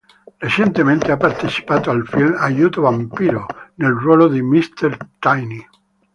Recentemente ha partecipato al film "Aiuto vampiro" nel ruolo di Mr. Tiny.